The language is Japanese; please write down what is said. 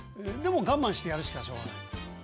でも我慢してやるしかしょうがない。